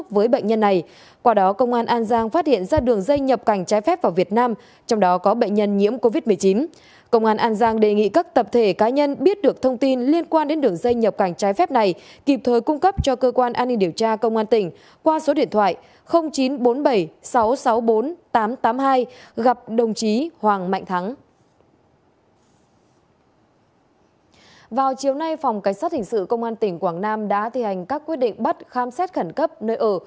vào chiều nay phòng cảnh sát hình sự công an tỉnh quảng nam đã thi hành các quyết định bắt khám xét khẩn cấp nơi ở